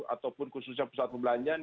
ataupun khususnya pusat pembelanjaan